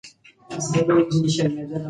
پښتو کلتوري ښکلا لري.